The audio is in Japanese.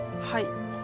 はい。